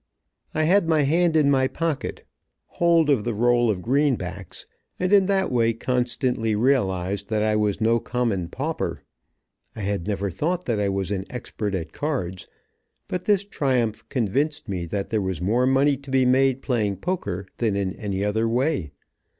I had my hand in my pocket, hold of the roll of greenbacks, and in that way constantly realized that I was no common pauper. I had never thought that I was an expert at cards, but this triumph convinced me that there was more money to be made playing poker than in any other way.